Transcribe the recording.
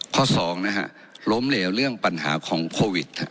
สองนะฮะล้มเหลวเรื่องปัญหาของโควิด